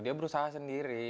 dia berusaha sendiri